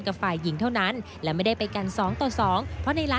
ด้วยเจอกันบ้างนิดเดียวกันใหม่ครับ